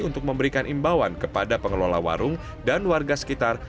untuk memberikan imbauan kepada pengelola warung dan warga sekitar